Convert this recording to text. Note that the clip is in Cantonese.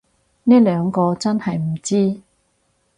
呢兩個真係唔知